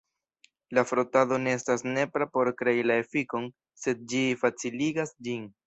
La frotado ne estas nepra por krei la efikon, sed ĝi faciligas ĝin.